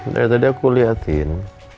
dari tadi aku liatin